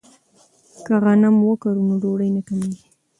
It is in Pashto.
که غنم وکرو نو ډوډۍ نه کمیږي.